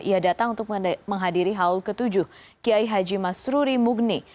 ia datang untuk menghadiri haul ke tujuh kiai haji masruri mugni